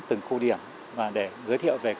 từng khu điểm và giới thiệu về